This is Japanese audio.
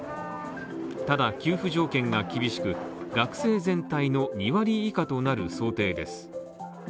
ただ、給付条件が厳しく、学生全体の２割以下となる想定です。